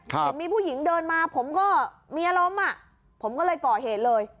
เห็นมีผู้หญิงเดินมาผมก็มีอารมณ์อ่ะผมก็เลยก่อเหตุเลย